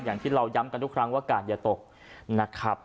อย่างที่เราย้ำกันทุกครั้งว่ากาดอย่าตกนะครับ